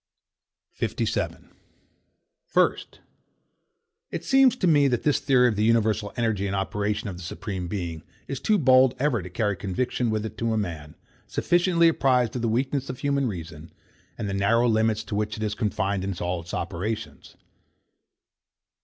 57. First, it seems to me that this theory of the universal energy and operation of the Supreme Being is too bold ever to carry conviction with it to a man, sufficiently apprized of the weakness of human reason, and the narrow limits to which it is confined in all its operations.